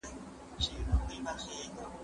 زه به اوږده موده مينه څرګنده کړې وم،